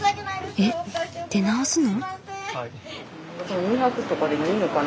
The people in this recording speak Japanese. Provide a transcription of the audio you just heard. えっ出直すの？